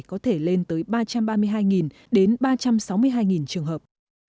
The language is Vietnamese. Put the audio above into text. có thể lên tới ba trăm ba mươi hai đến ba trăm sáu mươi hai trường hợp